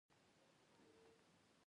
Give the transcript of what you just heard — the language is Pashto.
له هغه وروسته مې بیا شراب وڅېښل.